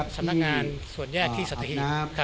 สำนักงานส่วนแยกที่สัตหีบ